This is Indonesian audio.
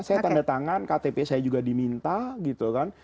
saya tanda tangan ktp saya juga diminta gitu kan